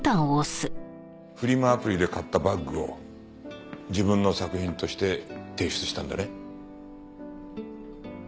アプリで買ったバッグを自分の作品として提出したんだね？